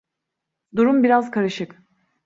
Durum biraz karışık.